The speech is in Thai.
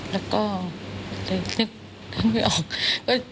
แล้วก็เลยนึกไม่ออก